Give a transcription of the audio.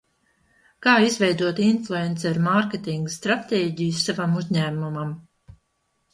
Kā izveidot influenceru mārketinga stratēģiju savam uzņēmumam?